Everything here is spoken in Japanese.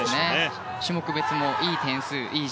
種目別もいい点数いい